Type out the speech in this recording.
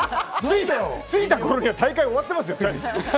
着いたころには大会終わっていますよ。